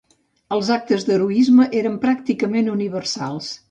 Els actes d'heroisme eren pràcticament universals.